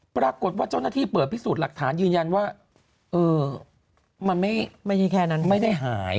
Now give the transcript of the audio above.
ปรากฏว่าเจ้าหน้าที่เปิดพิสูจน์หลักฐานยืนยันว่ามันไม่ใช่แค่นั้นไม่ได้หาย